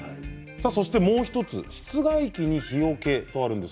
もう１つ室外機に日よけとあります。